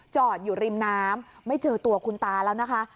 จอดอยู่ริมน้ำไม่เจอตัวคุณตาแล้วนะคะ